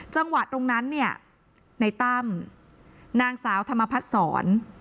จังหวะตรงนั้นเนี่ยในตั้มนางสาวธรรมพัฒนศร